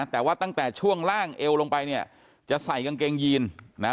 แต่ว่าตั้งแต่ช่วงล่างเอวลงไปจะใส่กางเกงยีน